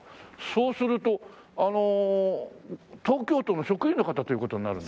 そうするとあの東京都の職員の方という事になる？